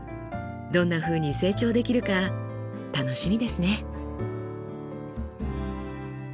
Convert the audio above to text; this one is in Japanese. どんなふうに成長できるか楽しみですね。